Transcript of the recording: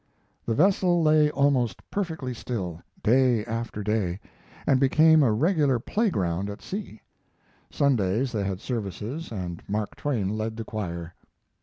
The vessel lay almost perfectly still, day after day, and became a regular playground at sea. Sundays they had services and Mark Twain led the choir.